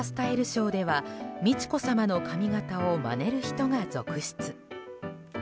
ショーでは美智子さまの髪形をまねる人が続出。